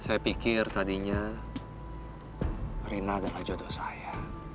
saya pikir tadinya rina adalah jodoh saya